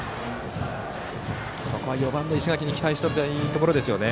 ここは４番の石垣に期待したいところですね。